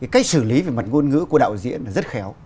cách xử lý về mặt ngôn ngữ của đạo diễn là rất khéo